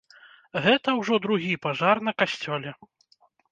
Гэта ўжо другі пажар на касцёле.